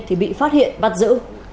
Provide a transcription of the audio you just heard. thì bị phát hiện bắt giữ